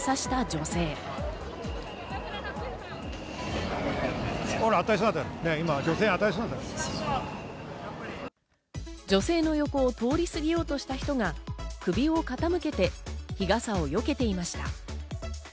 女性の横を通り過ぎようとした人が首を傾けて日傘をよけていました。